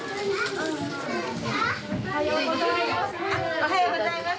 おはようございます。